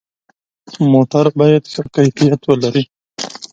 موټر باید ښه کیفیت ولري.